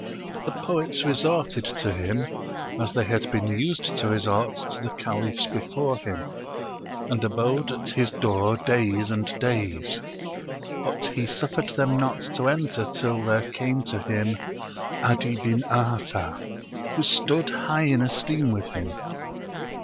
the poets resorted to him, as they had been used to resort to the Caliphs before him, and abode at his door days and days; but he suffered them not to enter till there came to him 'Adi bin Artah, who stood high in esteem with him.